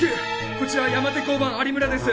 こちら山手交番有村です。